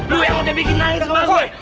lu yang udah bikin nangis emak gue